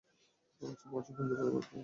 আচ্ছা পৌছে ফোন দিবো ওকে বাই।